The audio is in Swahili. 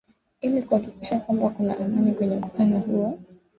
ili kuhakikisha kwamba kuna amani kwenye mkutano huo